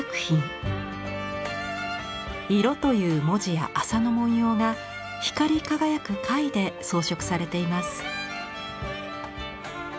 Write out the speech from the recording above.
「色」という文字や麻の文様が光り輝く貝で装飾されています。